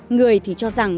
người thì cho rằng